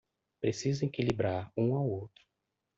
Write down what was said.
Precisa equilibrar um ao outro